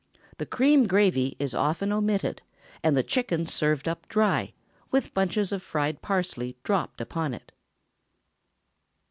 The cream gravy is often omitted, and the chicken served up dry, with bunches of fried parsley dropped upon it.